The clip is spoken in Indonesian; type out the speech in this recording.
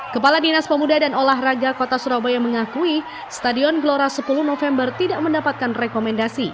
kepala dinas pemuda dan olahraga kota surabaya mengakui stadion gelora sepuluh november tidak mendapatkan rekomendasi